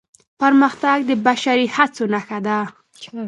پرمختګ د بشري هڅو نښه ده.